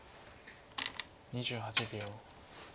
２８秒。